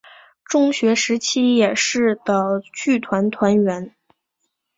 中学时期也是的剧团团员。